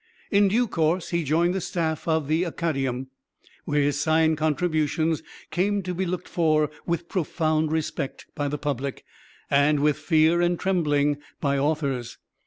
In due course he joined the staff of the Acadæum, where his signed contributions came to be looked for with profound respect by the public and with fear and trembling by authors.